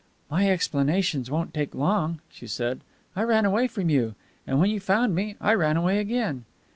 "My explanations won't take long," she said. "I ran away from you. And, when you found me, I ran away again."